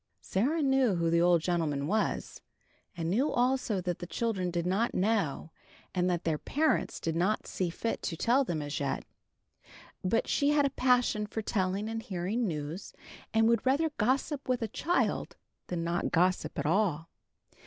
Sarah knew who the old gentleman was, and knew also that the children did not know, and that their parents did not see fit to tell them as yet. But she had a passion for telling and hearing news, and would rather gossip with a child than not gossip at all.